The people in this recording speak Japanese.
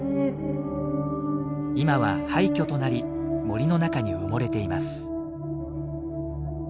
今は廃虚となり森の中に埋もれています。